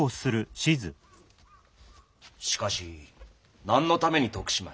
しかし何のために徳島へ？